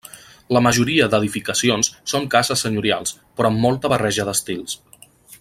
La majoria d'edificacions són cases senyorials, però amb molta barreja d'estils.